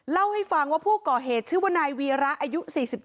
เล่าให้ฟังว่าผู้ก่อเหตุชื่อว่านายวีระอายุ๔๗